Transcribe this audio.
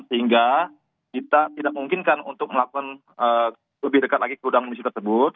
sehingga kita tidak memungkinkan untuk melakukan lebih dekat lagi ke gudang bisu tersebut